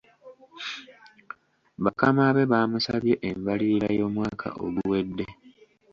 Bakama be bamusabye embalirira y'omwaka oguwedde.